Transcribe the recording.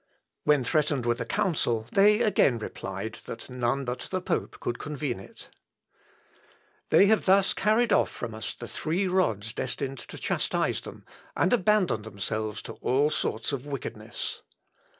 When threatened with a council, they again replied, that none but the pope could convene it. [Sidenote: POWER OF THE CIVIL MAGISTRATE.] "They have thus carried off from us the three rods destined to chastise them, and abandoned themselves to all sorts of wickedness.